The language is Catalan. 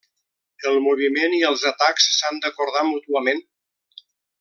El moviment i els atacs s'han d'acordar mútuament.